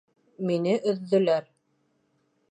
Мине өҙҙөләр